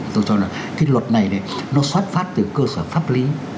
tôi cho là cái luật này này nó xoát phát từ cơ sở pháp lý